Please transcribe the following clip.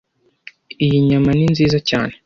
Iyi nyama ni nziza cyane